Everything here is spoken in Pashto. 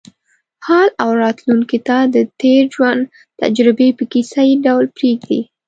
حال او راتلونکې ته د تېر ژوند تجربې په کیسه یې ډول پرېږدي.